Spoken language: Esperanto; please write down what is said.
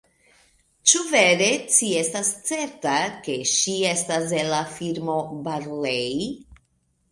Ĉu vere ci estas certa, ke ŝi estas el la firmo Barlei?